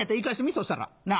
そしたら。なぁ？